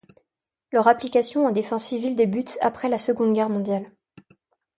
Leur application à des fins civiles débute après la Seconde Guerre mondiale.